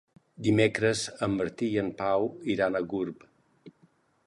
Dimecres en Martí i en Pau iran a Gurb.